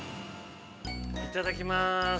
◆いただきます。